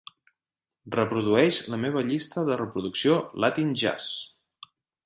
Reprodueix la meva llista de reproducció Latin Jazz.